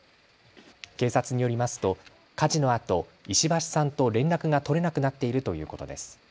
警察によりますと火事のあと石橋さんと連絡が取れなくなっているということです。